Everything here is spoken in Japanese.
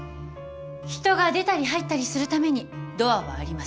人が出たり入ったりするためにドアはあります。